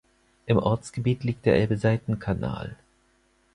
Im Ortsgebiet liegt der Elbe-Seitenkanal.